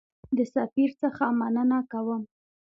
د سفیر څخه مننه کوم.